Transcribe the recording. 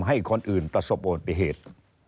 ให้คนอื่นประสบอุบัติเหตุ